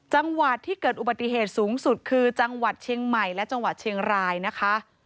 จังหวัดที่เกิดอุบัติเหตุสูงสุดคือจังหวัดเชียงใหม่และจังหวัดเชียงรายนะคะ